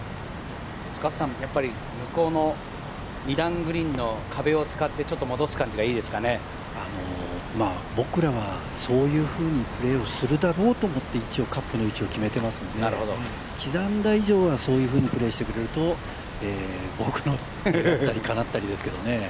やっぱり向こうの二段グリーンの壁を使って僕らはそういうふうにプレーするだろうと考えて一応、カップの位置を決めていますので刻んだ以上はそういうふうにプレーしてくれると願ったりかなったりですけどね。